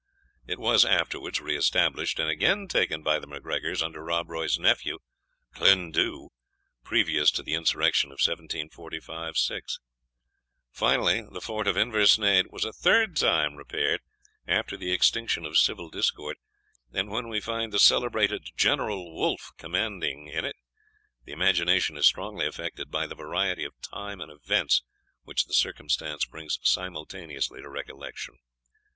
It was afterwards re established, and again taken by the MacGregors under Rob Roy's nephew Ghlune Dhu, previous to the insurrection of 1745 6. Finally, the fort of Inversnaid was a third time repaired after the extinction of civil discord; and when we find the celebrated General Wolfe commanding in it, the imagination is strongly affected by the variety of time and events which the circumstance brings simultaneously to recollection.